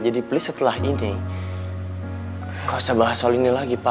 jadi please setelah ini kau usah bahas soal ini lagi pak